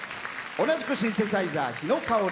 同じくシンセサイザー、日野香織。